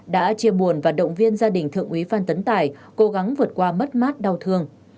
đã chia buồn và động viên gia đình thượng úy phan tấn tài cố gắng vượt qua mất mát đau thương